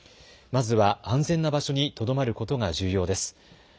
まずは安全な場所にとどまることが重要です。